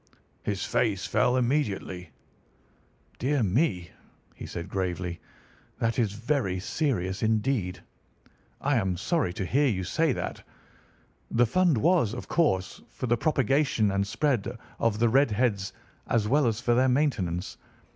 "His face fell immediately. "'Dear me!' he said gravely, 'that is very serious indeed! I am sorry to hear you say that. The fund was, of course, for the propagation and spread of the red heads as well as for their maintenance.